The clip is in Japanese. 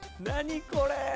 何これ。